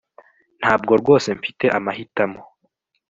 Ntabwo rwose mfite amahitamo